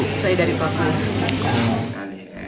saya dari papua